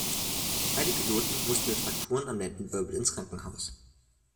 Beide Piloten mussten mit Frakturen am Lendenwirbel ins Krankenhaus.